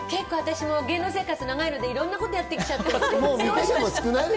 芸能生活長いのでいろんなことやってきちゃって。